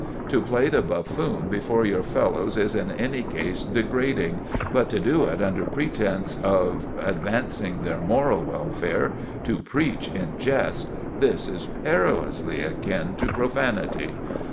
To play the buffoon before your fellows is in any case degrading; but to do it under pretence of advancing their moral welfare—to preach in jest—this is perilously akin to profanity.